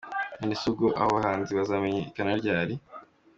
None se ubwo abo bahanzi bazamenyekana ryari ?”.